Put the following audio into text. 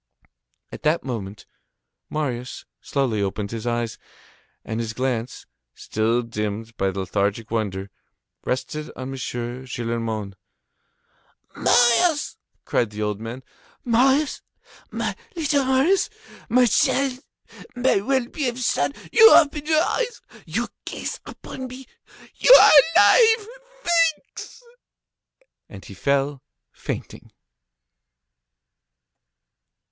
At that moment, Marius slowly opened his eyes, and his glance, still dimmed by lethargic wonder, rested on M. Gillenormand. "Marius!" cried the old man. "Marius! My little Marius! my child! my well beloved son! You open your eyes, you gaze upon me, you are alive, thanks!" And he fell fainting.